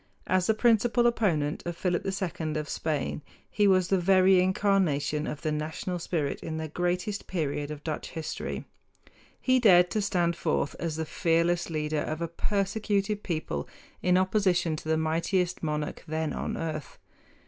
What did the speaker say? As the principal opponent of Philip II of Spain he was the very incarnation of the national spirit in the greatest period of Dutch history. He dared to stand forth as the fearless leader of a persecuted people in opposition to the mightiest monarch then on earth.